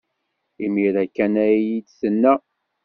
Imir-a kan ay iyi-d-tenna.